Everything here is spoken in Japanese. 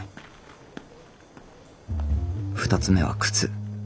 ２つ目は靴。